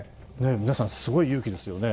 皆さん、すごい勇気ですよね